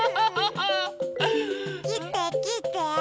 きてきて！